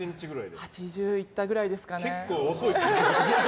８０いったくらいですかね。